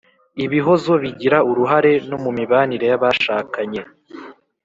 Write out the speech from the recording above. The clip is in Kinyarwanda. ibihozo bigira uruhare no mu mibanire y’abashakanye